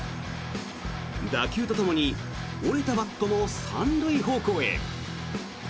打球とともに折れたバットも３塁方向へ。